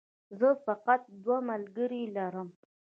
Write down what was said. زه فقط دوه ملګري لرم